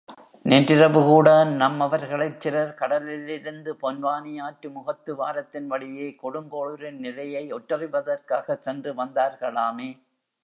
நேற்றிரவுகூட நம்மவர்களிற் சிலர் கடலிலிருந்து பொன்வானியாற்று முகத்துவாரத்தின் வழியே கொடுங்கோளுரின் நிலையை ஒற்றறிவதற்காகச் சென்று வந்தார்களாமே?